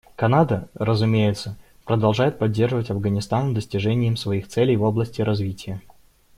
Канада, разумеется, продолжает поддерживать Афганистан в достижении им своих целей в области развития.